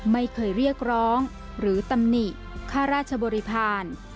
ไม่เคยเรียกร้องหรือตำหนิข้าราชบริพาณ